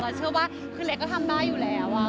เชื่อว่าคือเล็กก็ทำได้อยู่แล้ว